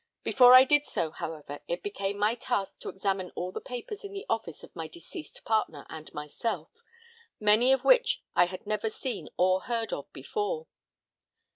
Before I did so, however, it became my task to examine all the papers in the office of my deceased partner and myself, many of which I had never seen or heard of before.